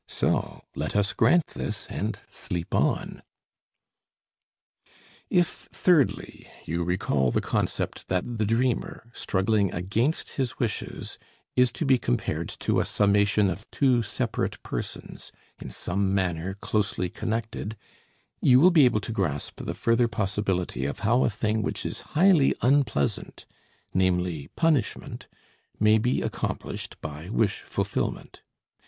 So let us grant this, and sleep on. If, thirdly, you recall the concept that the dreamer, struggling against his wishes, is to be compared to a summation of two separate persons, in some manner closely connected, you will be able to grasp the further possibility of how a thing which is highly unpleasant, namely, punishment, may be accomplished by wish fulfillment.